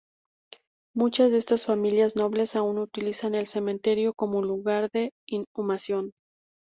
Muchas de estas familias nobles aún utilizan el cementerio como lugar de inhumación.